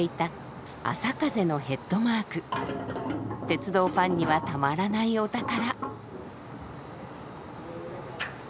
鉄道ファンにはたまらないお宝。